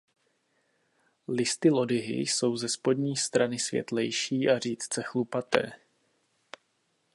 Listy lodyhy jsou ze spodní strany světlejší a řídce chlupaté.